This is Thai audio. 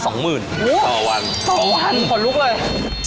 โอ้โฮสองวันสองวันขอลุกเลยสองวัน